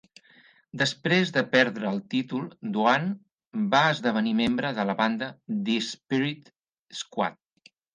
Després de perdre el títol, Doane va esdevenir membre de la banda The Spirit Squad.